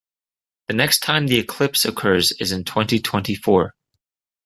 The next time the eclipse occurs is in twenty-twenty-four.